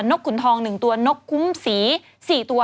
กขุนทอง๑ตัวนกคุ้มสี๔ตัว